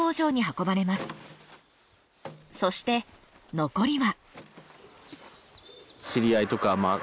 そして残りは。